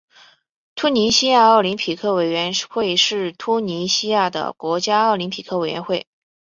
突尼西亚奥林匹克委员会是突尼西亚的国家奥林匹克委员会。